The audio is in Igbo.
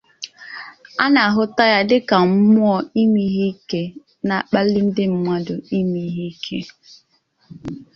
A na-ahụta ya dị ka mmụọ ime ihe ike na-akpali ndị mmadụ ime ihe ike.